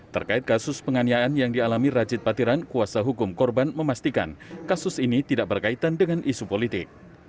terkait kasus penganiayaan yang dialami rajid patiran kuasa hukum korban memastikan kasus ini tidak berkaitan dengan isu politik